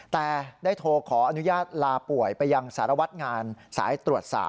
แต่ได้โทรขออนุญาตลาป่วยไปยังสารวัตรงานสายตรวจ๓